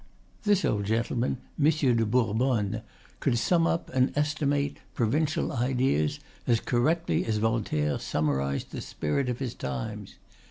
This old gentleman, Monsieur de Bourbonne, could sum up and estimate provincial ideas as correctly as Voltaire summarized the spirit of his times.